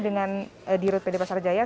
dengan di rut pd pasar jaya